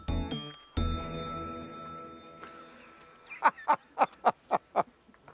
ハッハハハハ！